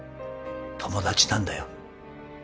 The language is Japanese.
友達なんだよ